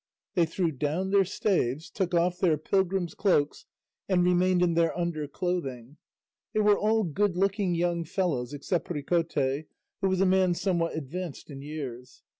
They threw down their staves, took off their pilgrim's cloaks and remained in their under clothing; they were all good looking young fellows, except Ricote, who was a man somewhat advanced in years.